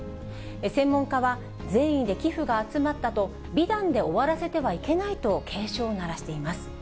専門家は、善意で寄付が集まったと、美談で終わらせてはいけないと警鐘を鳴らしています。